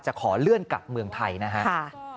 ขอเลื่อนกลับเมืองไทยนะครับ